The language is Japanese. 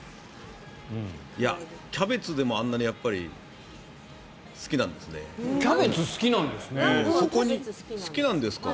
キャベツでもあんなに好きなんですね。